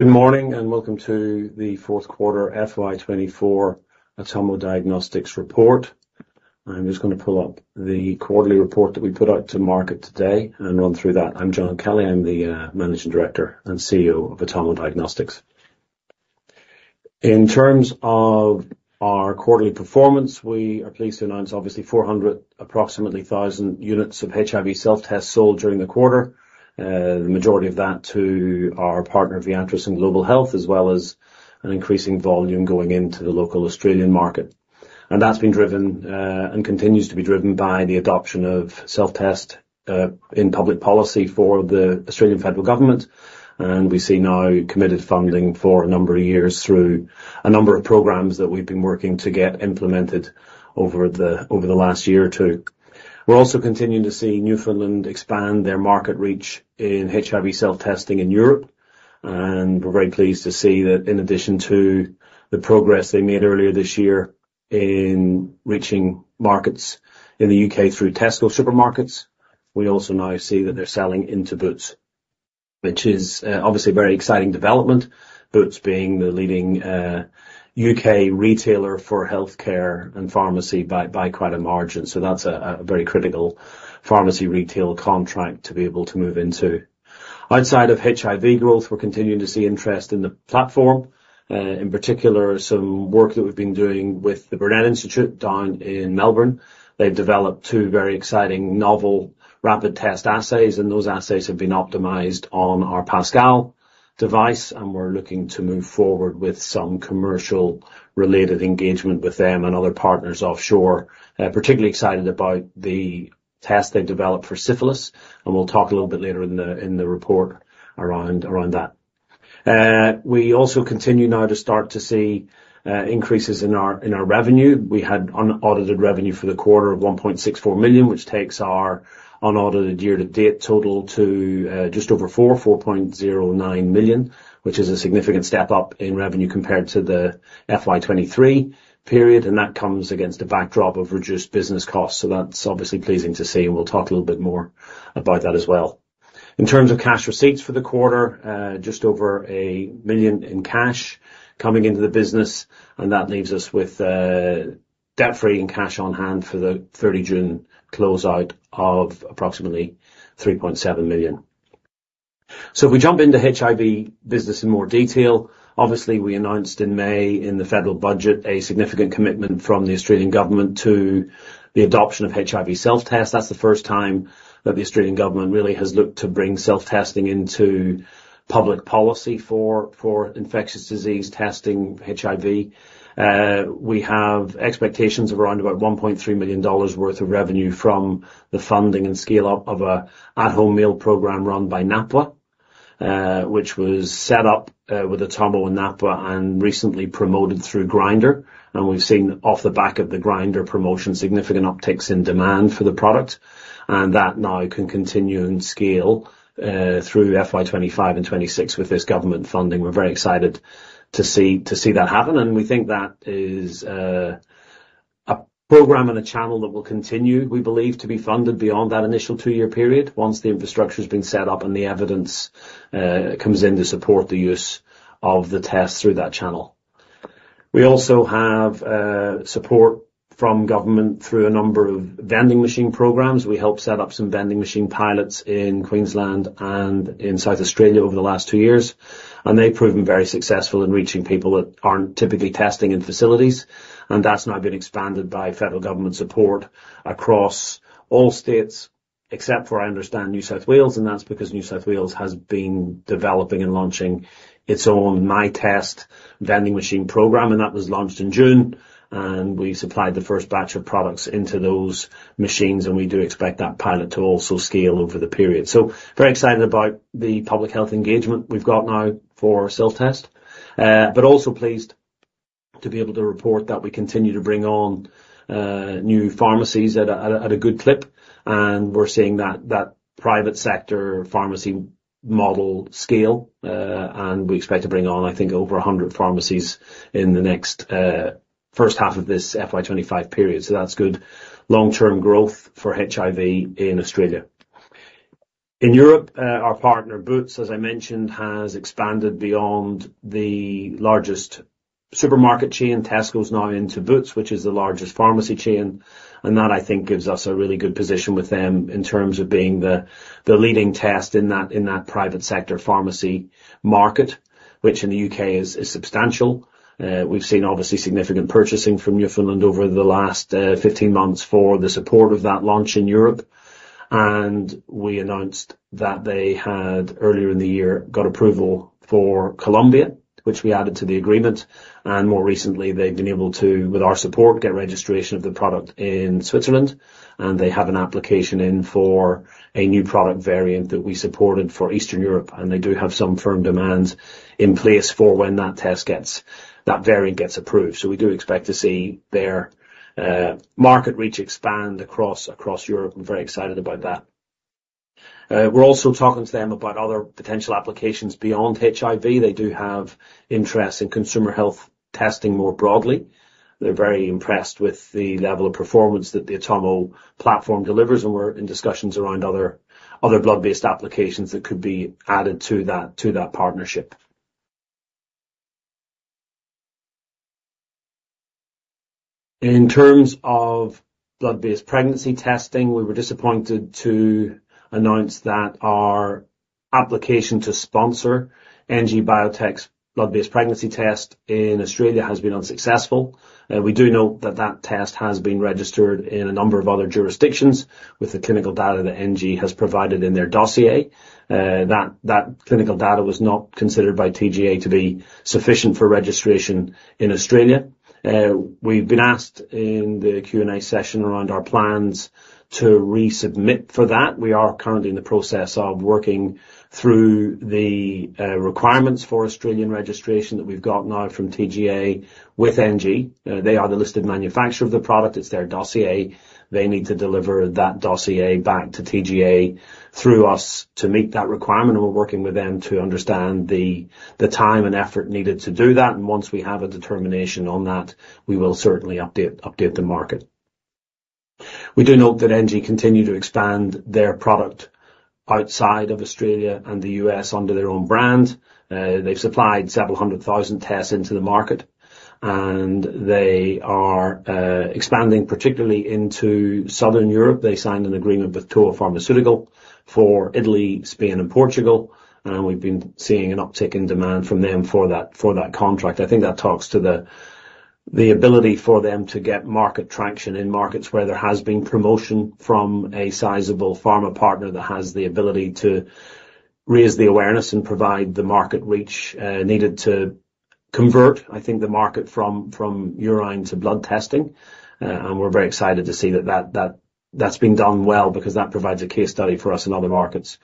Good morning, and welcome to the fourth quarter FY 2024 Atomo Diagnostics report. I'm just gonna pull up the quarterly report that we put out to market today and run through that. I'm John Kelly, I'm the Managing Director and CEO of Atomo Diagnostics. In terms of our quarterly performance, we are pleased to announce obviously approximately 400,000 units of HIV self-test sold during the quarter. The majority of that to our partner, Viatris and Global Health, as well as an increasing volume going into the local Australian market. And that's been driven and continues to be driven by the adoption of self-test in public policy for the Australian Federal Government. And we see now committed funding for a number of years through a number of programs that we've been working to get implemented over the last year or two. We're also continuing to see Newfoundland expand their market reach in HIV self-testing in Europe, and we're very pleased to see that in addition to the progress they made earlier this year in reaching markets in the U.K. through Tesco supermarkets, we also now see that they're selling into Boots, which is, obviously a very exciting development. Boots being the leading, U.K. retailer for healthcare and pharmacy by quite a margin. So that's a very critical pharmacy retail contract to be able to move into. Outside of HIV growth, we're continuing to see interest in the platform, in particular, some work that we've been doing with the Burnet Institute down in Melbourne. They've developed two very exciting novel, rapid test assays, and those assays have been optimized on our Pascal device, and we're looking to move forward with some commercial-related engagement with them and other partners offshore. Particularly excited about the test they've developed for syphilis, and we'll talk a little bit later in the report around that. We also continue now to start to see increases in our revenue. We had unaudited revenue for the quarter of 1.64 million, which takes our unaudited year-to-date total to just over 4.09 million, which is a significant step-up in revenue compared to the FY 2023 period, and that comes against a backdrop of reduced business costs. So that's obviously pleasing to see, and we'll talk a little bit more about that as well. In terms of cash receipts for the quarter, just over 1 million in cash coming into the business, and that leaves us with debt-free and cash on hand for the 30 June closeout of approximately 3.7 million. So if we jump into HIV business in more detail, obviously, we announced in May in the federal budget, a significant commitment from the Australian Government to the adoption of HIV self-test. That's the first time that the Australian government really has looked to bring self-testing into public policy for infectious disease testing HIV. We have expectations of around about 1.3 million dollars worth of revenue from the funding and scale-up of an at-home mail program run by NAPWHA, which was set up with Atomo and NAPWHA, and recently promoted through Grindr. We've seen off the back of the Grindr promotion, significant upticks in demand for the product. That now can continue and scale through FY 2025 and 2026 with this government funding. We're very excited to see that happen, and we think that is a program and a channel that will continue, we believe, to be funded beyond that initial two-year period, once the infrastructure has been set up and the evidence comes in to support the use of the test through that channel. We also have support from government through a number of vending machine programs. We helped set up some vending machine pilots in Queensland and in South Australia over the last two years, and they've proven very successful in reaching people that aren't typically testing in facilities. That's now been expanded by federal government support across all states, except for, I understand, New South Wales, and that's because New South Wales has been developing and launching its own MyTest vending machine program, and that was launched in June, and we supplied the first batch of products into those machines, and we do expect that pilot to also scale over the period. So very excited about the public health engagement we've got now for self-test, but also pleased to be able to report that we continue to bring on new pharmacies at a good clip. And we're seeing that private sector pharmacy model scale, and we expect to bring on, I think, over 100 pharmacies in the next first half of this FY 2025 period. So that's good long-term growth for HIV in Australia. In Europe, our partner, Boots, as I mentioned, has expanded beyond the largest supermarket chain. Tesco now into Boots, which is the largest pharmacy chain, and that, I think, gives us a really good position with them in terms of being the leading test in that private sector pharmacy market, which in the UK is substantial. We've seen obviously significant purchasing from Newfoundland over the last 15 months for the support of that launch in Europe. We announced that they had, earlier in the year, got approval for Colombia, which we added to the agreement, and more recently, they've been able to, with our support, get registration of the product in Switzerland, and they have an application in for a new product variant that we supported for Eastern Europe, and they do have some firm demands in place for when that test gets, that variant gets approved. So we do expect to see their market reach expand across, across Europe. I'm very excited about that. We're also talking to them about other potential applications beyond HIV. They do have interest in consumer health testing more broadly. They're very impressed with the level of performance that the Atomo platform delivers, and we're in discussions around other blood-based applications that could be added to that partnership. In terms of blood-based pregnancy testing, we were disappointed to announce that our application to sponsor NG Biotech's blood-based pregnancy test in Australia has been unsuccessful. We do note that that test has been registered in a number of other jurisdictions with the clinical data that NG has provided in their dossier. That, that clinical data was not considered by TGA to be sufficient for registration in Australia. We've been asked in the Q&A session around our plans to resubmit for that. We are currently in the process of working through the requirements for Australian registration that we've got now from TGA with NG. They are the listed manufacturer of the product. It's their dossier. They need to deliver that dossier back to TGA through us to meet that requirement, and we're working with them to understand the time and effort needed to do that. And once we have a determination on that, we will certainly update the market. We do note that NG continue to expand their product outside of Australia and the U.S. under their own brand. They've supplied several hundred thousand tests into the market, and they are expanding, particularly into Southern Europe. They signed an agreement with Towa Pharmaceutical for Italy, Spain, and Portugal, and we've been seeing an uptick in demand from them for that contract. I think that talks to the ability for them to get market traction in markets where there has been promotion from a sizable pharma partner that has the ability to raise the awareness and provide the market reach needed to convert, I think, the market from urine to blood testing. And we're very excited to see that that's been done well because that provides a case study for us in other markets.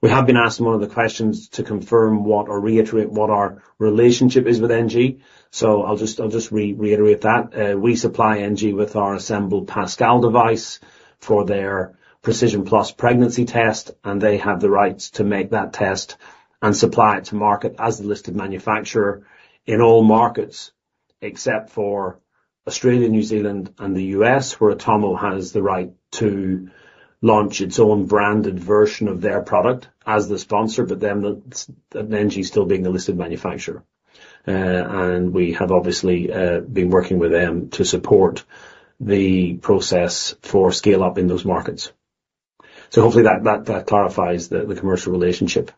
We have been asked some of the questions to confirm what or reiterate what our relationship is with NG, so I'll just reiterate that. We supply NG with our assembled Pascal device for their Precision+ pregnancy test, and they have the rights to make that test and supply it to market as the listed manufacturer in all markets, except for Australia, New Zealand, and the U.S., where Atomo has the right to launch its own branded version of their product as the sponsor, but then the NG still being the listed manufacturer. And we have obviously been working with them to support the process for scale-up in those markets. So hopefully that clarifies the commercial relationship.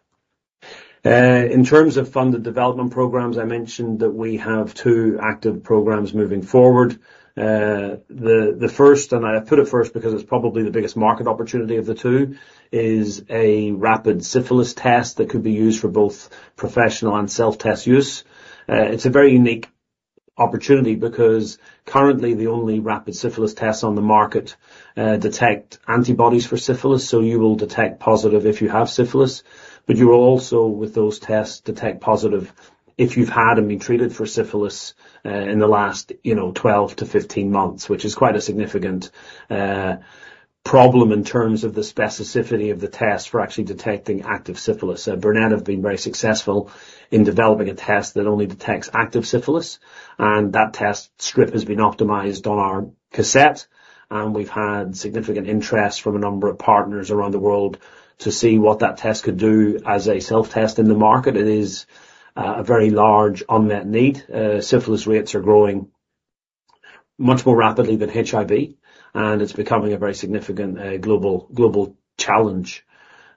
In terms of funded development programs, I mentioned that we have two active programs moving forward. The first, and I put it first because it's probably the biggest market opportunity of the two, is a rapid syphilis test that could be used for both professional and self-test use. It's a very unique opportunity because currently, the only rapid syphilis tests on the market detect antibodies for syphilis, so you will detect positive if you have syphilis, but you will also, with those tests, detect positive if you've had and been treated for syphilis, in the last, you know, 12-15 months, which is quite a significant problem in terms of the specificity of the test for actually detecting active syphilis. Burnet have been very successful in developing a test that only detects active syphilis, and that test strip has been optimized on our cassette, and we've had significant interest from a number of partners around the world to see what that test could do as a self-test in the market. It is a very large unmet need. Syphilis rates are growing much more rapidly than HIV, and it's becoming a very significant global challenge,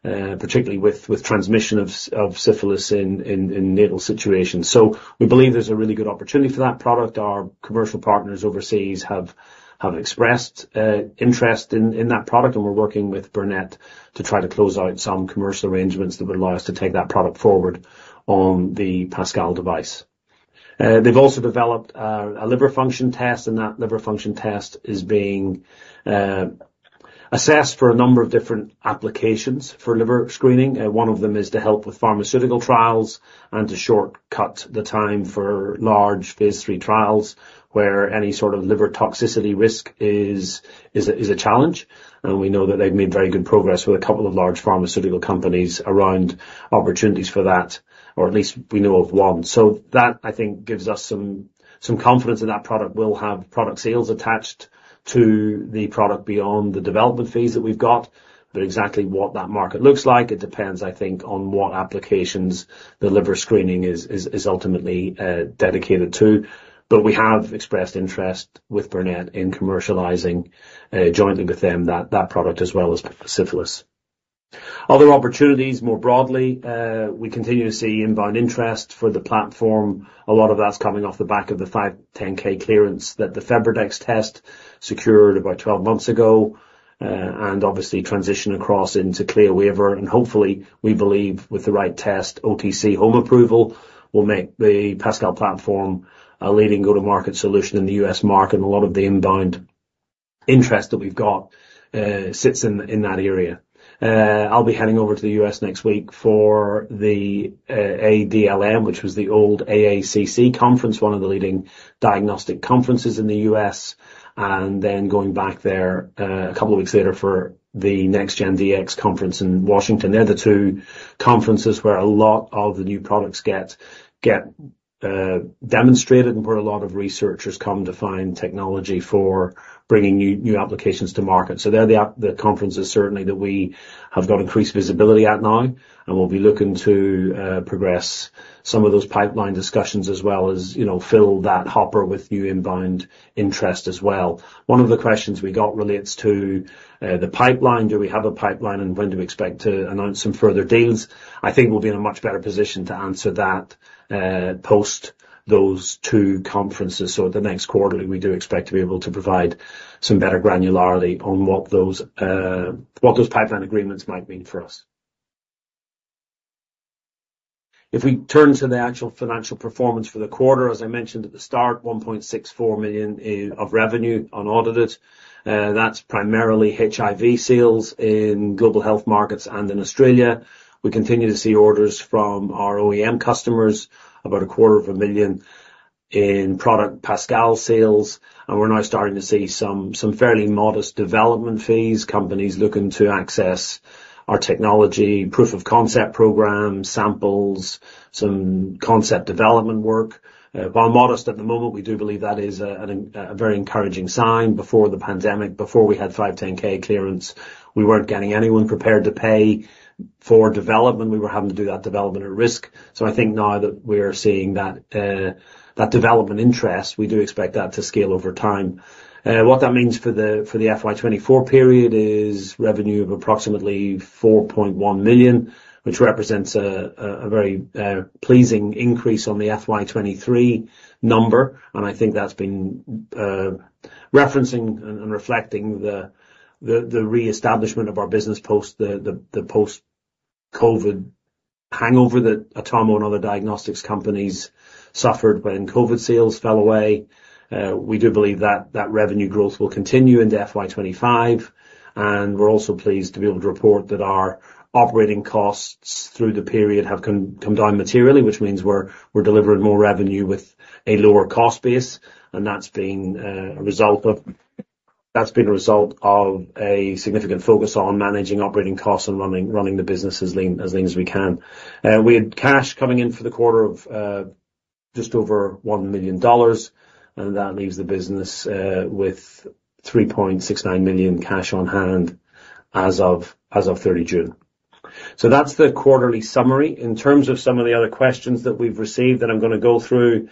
particularly with transmission of syphilis in natal situations. So we believe there's a really good opportunity for that product. Our commercial partners overseas have expressed interest in that product, and we're working with Burnet to try to close out some commercial arrangements that would allow us to take that product forward on the Pascal device. They've also developed a liver function test, and that liver function test is being assessed for a number of different applications for liver screening. One of them is to help with pharmaceutical trials and to shortcut the time for large phase III trials, where any sort of liver toxicity risk is a challenge. We know that they've made very good progress with a couple of large pharmaceutical companies around opportunities for that, or at least we know of one. That, I think, gives us some confidence that that product will have product sales attached to the product beyond the development phase that we've got. But exactly what that market looks like, it depends, I think, on what applications the liver screening is ultimately dedicated to. But we have expressed interest with Burnet in commercializing jointly with them, that product as well as syphilis. Other opportunities, more broadly, we continue to see inbound interest for the platform. A lot of that's coming off the back of the 510(k) clearance that the FebriDx test secured about 12 months ago, and obviously transition across into CLIA waiver. And hopefully, we believe with the right test, OTC home approval will make the Pascal platform a leading go-to-market solution in the U.S. market, and a lot of the inbound interest that we've got sits in that area. I'll be heading over to the U.S. next week for the ADLM, which was the old AACC conference, one of the leading diagnostic conferences in the U.S., and then going back there a couple of weeks later for the NextGen Dx conference in Washington. They're the two conferences where a lot of the new products get demonstrated and where a lot of researchers come to find technology for bringing new applications to market. So they're the conferences, certainly, that we have got increased visibility at now, and we'll be looking to progress some of those pipeline discussions as well as, you know, fill that hopper with new inbound interest as well. One of the questions we got relates to the pipeline. Do we have a pipeline, and when do we expect to announce some further deals? I think we'll be in a much better position to answer that post those two conferences. So the next quarterly, we do expect to be able to provide some better granularity on what those what those pipeline agreements might mean for us. If we turn to the actual financial performance for the quarter, as I mentioned at the start, 1.64 million of revenue on audit. That's primarily HIV sales in global health markets and in Australia. We continue to see orders from our OEM customers, about 250,000 in product Pascal sales, and we're now starting to see some fairly modest development fees, companies looking to access our technology, proof of concept programs, samples, some concept development work. While modest at the moment, we do believe that is a very encouraging sign. Before the pandemic, before we had 510(k) clearance, we weren't getting anyone prepared to pay for development. We were having to do that development at risk. So I think now that we're seeing that development interest, we do expect that to scale over time. What that means for the FY 2024 period is revenue of approximately 4.1 million, which represents a very pleasing increase on the FY 2023 number, and I think that's been referencing and reflecting the reestablishment of our business post the post-COVID hangover that Atomo and other diagnostics companies suffered when COVID sales fell away. We do believe that revenue growth will continue into FY 2025, and we're also pleased to be able to report that our operating costs through the period have come down materially, which means we're delivering more revenue with a lower cost base, and that's been a result of a significant focus on managing operating costs and running the business as lean as we can. We had cash coming in for the quarter of just over 1 million dollars, and that leaves the business with 3.69 million cash on hand as of 30 June. So that's the quarterly summary. In terms of some of the other questions that we've received that I'm gonna go through,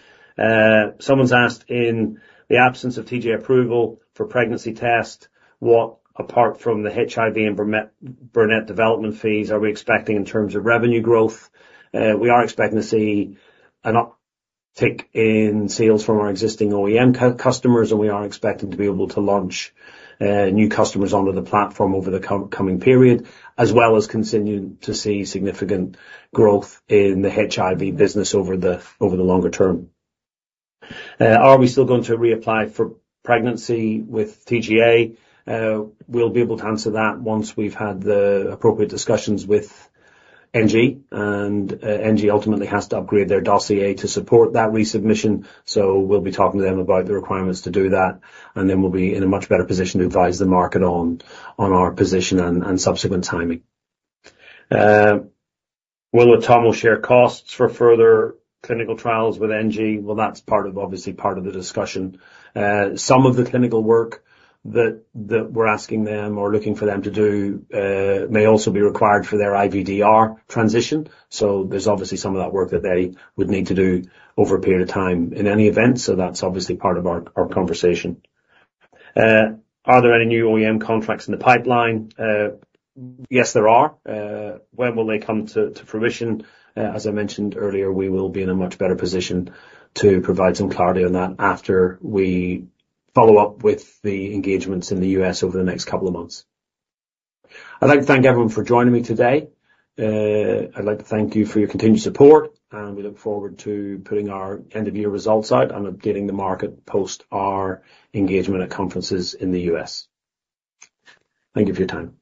someone's asked, in the absence of TGA approval for pregnancy test, what, apart from the HIV and Burnet development fees, are we expecting in terms of revenue growth? We are expecting to see an uptick in sales from our existing OEM customers, and we are expecting to be able to launch new customers onto the platform over the coming period, as well as continuing to see significant growth in the HIV business over the longer term. Are we still going to reapply for pregnancy with TGA? We'll be able to answer that once we've had the appropriate discussions with NG. NG ultimately has to upgrade their dossier to support that resubmission, so we'll be talking to them about the requirements to do that, and then we'll be in a much better position to advise the market on our position and subsequent timing. Will Atomo share costs for further clinical trials with NG? Well, that's part of, obviously, the discussion. Some of the clinical work that we're asking them or looking for them to do may also be required for their IVDR transition. So there's obviously some of that work that they would need to do over a period of time in any event. So that's obviously part of our conversation. Are there any new OEM contracts in the pipeline? Yes, there are. When will they come to fruition? As I mentioned earlier, we will be in a much better position to provide some clarity on that after we follow up with the engagements in the U.S. over the next couple of months. I'd like to thank everyone for joining me today. I'd like to thank you for your continued support, and we look forward to putting our end-of-year results out and updating the market post our engagement at conferences in the U.S. Thank you for your time.